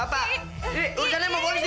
apa ini ursanya sama polisi